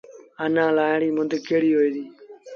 آنآ لآهڻ ريٚ مند ڪهڙيٚ هوئي ديٚ۔